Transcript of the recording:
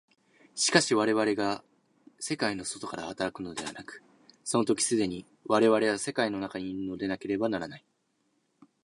しかし我々が世界の外から働くのではなく、その時既に我々は世界の中にいるのでなければならない。